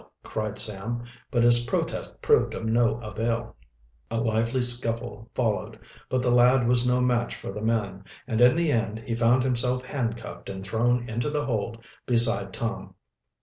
cried Sam, but his protest proved of no avail. A lively scuffle followed, but the lad was no match for the men, and in the end he found himself handcuffed and thrown into the hold beside Tom.